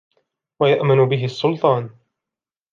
وَيَأْمَنُ بِهِ السُّلْطَانُ